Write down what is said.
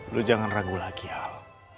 lu jangan ragu lagi al